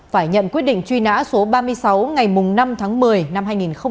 phải nhận quyết định truy nã số ba mươi sáu ngày năm tháng một mươi năm hai nghìn một mươi